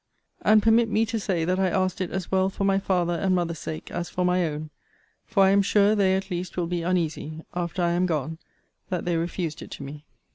And permit me to say that I asked it as well for my father and mother's sake, as for my own; for I am sure they at least will be uneasy, after I am gone, that they refused it to me.